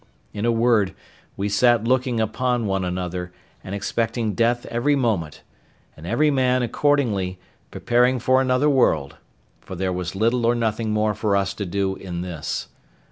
In a word, we sat looking upon one another, and expecting death every moment, and every man, accordingly, preparing for another world; for there was little or nothing more for us to do in this.